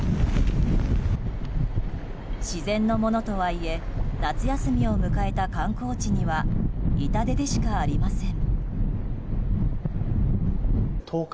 自然のものとはいえ夏休みを迎えた観光地には痛手でしかありません。